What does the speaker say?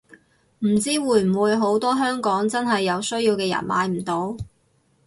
唔知會唔會好多香港真係有需要嘅人買唔到